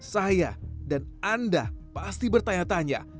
saya dan anda pasti bertanya tanya